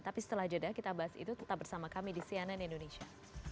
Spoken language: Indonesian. tapi setelah jeda kita bahas itu tetap bersama kami di cnn indonesia